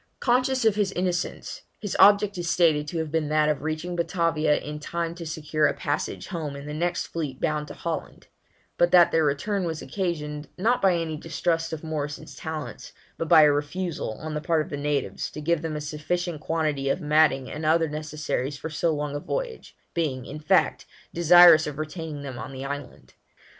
Conscious of his innocence, his object is stated to have been that of reaching Batavia in time to secure a passage home in the next fleet bound to Holland; but that their return was occasioned, not by any distrust of Morrison's talents, but by a refusal, on the part of the natives, to give them a sufficient quantity of matting and other necessaries for so long a voyage, being, in fact, desirous of retaining them on the island.